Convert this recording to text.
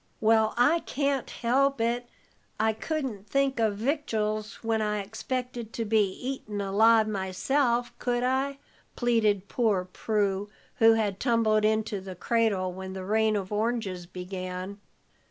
"Well, I can't help it. I couldn't think of victuals when I expected to be eaten alive myself, could I?" pleaded poor Prue, who had tumbled into the cradle when the rain of oranges began.